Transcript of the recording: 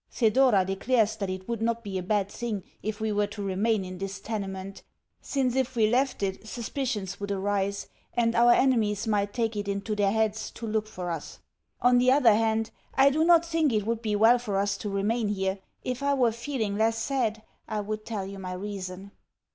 Thedora declares that it would not be a bad thing if we were to remain in this tenement, since if we left it suspicions would arise, and our enemies might take it into their heads to look for us. On the other hand, I do not think it would be well for us to remain here. If I were feeling less sad I would tell you my reason.